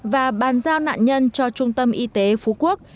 và bàn giao nạn nhân cho trung tâm y tế phú quốc